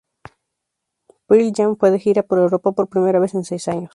Pearl Jam fue de gira por Europa por primera vez en seis años.